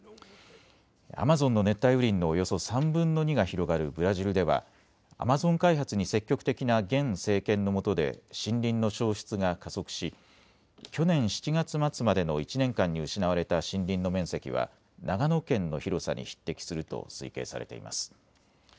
アマゾンの熱帯雨林のおよそ３分の２が広がるブラジルではアマゾン開発に積極的な現政権のもとで森林の消失が加速し去年７月末までの１年間に失われた森林の面積は長野県の広さに匹敵すると推計されています。